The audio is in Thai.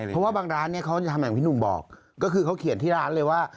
เพราะว่าบางร้านเนี่ยเขาจะทำอย่างพี่หนุ่มบอกก็คือเขาเขียนที่ร้านเลยว่า